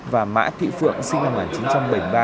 và mã thị phượng sinh năm một nghìn chín trăm bảy mươi ba